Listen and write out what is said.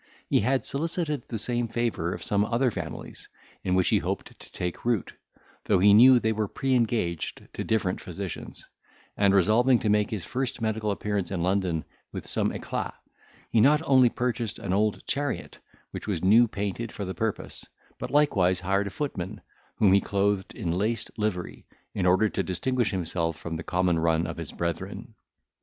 He had solicited the same favour of some other families, in which he hoped to take root, though he knew they were pre engaged to different physicians; and resolving to make his first medical appearance in London with some eclat, he not only purchased an old chariot, which was new painted for the purpose, but likewise hired a footman, whom he clothed in laced livery, in order to distinguish himself from the common run of his brethren.